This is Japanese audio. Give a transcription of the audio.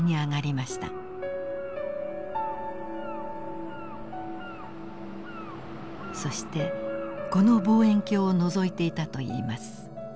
そしてこの望遠鏡をのぞいていたといいます。